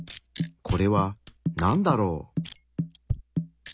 これはなんだろう？